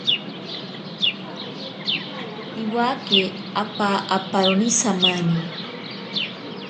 Iwake apa aparo samani.